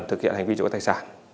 thực hiện hành vi trộm cắp tài sản